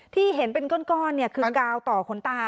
ที่เห็นเป็นก้อนคือกาวต่อขนตา